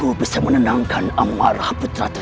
utamaku sudah ada